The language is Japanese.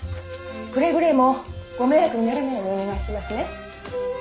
くれぐれもご迷惑にならないようにお願いしますね。